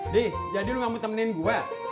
dih jadi lu gak mau temenin gue